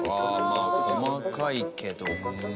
まあ細かいけど。